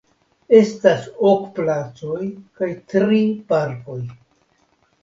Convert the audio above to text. Estas ok placoj kaj tri parkoj.